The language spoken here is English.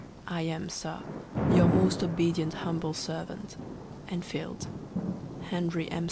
I am, Sir, Your most obedient humble servant, ENFIELD. Henry M.